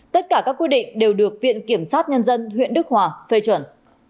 tất cả các quy định đều được viện kiểm soát nhân dân huyện đức hòa phê chuẩn